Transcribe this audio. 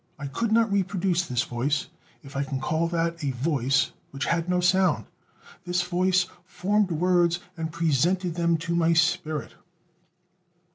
I could not reproduce this voice, if I can call that a voice which had no sound. This voice formed words and presented them to my spirit."